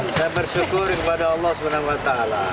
saya bersyukur kepada allah swt